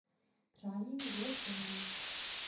Přání mu bylo splněno.